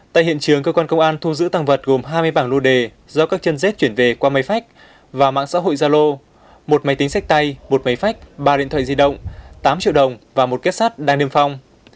tại hiện trường cơ quan công an thu giữ tàng vật gồm hai mươi bảng lô đề do các chân dết chuyển về qua máy phách và mạng xã hội gia lô một máy tính sách tay một máy phách ba điện thoại di động tám triệu đồng và một kết sắt đang niêm phong